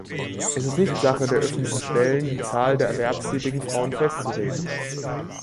Es ist nicht Sache der öffentlichen Stellen, die Zahl der erwerbstätigen Frauen festzulegen.